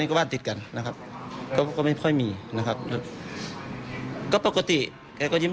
ก็บ้านติดกันนะครับก็ก็ไม่ค่อยมีนะครับก็ปกติแกก็ยิ้ม